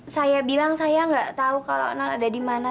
saya bilang saya nggak tahu kalau non ada di mana